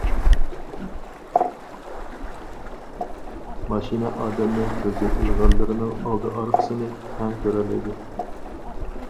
ماشىنا ئادەمنىڭ كۆزى ئىلغارلىرىنىڭ ئالدى ئارقىسىنى تەڭ كۆرەلەيدۇ.